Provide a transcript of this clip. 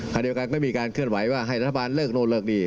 ขณะเดียวกันก็มีการเคลื่อนไหวว่าให้รัฐบาลเลิกโน่นเลิกนี่